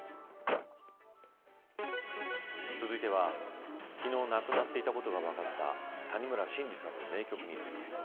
続いては昨日、亡くなっていたことが分かった谷村新司さんの名曲について。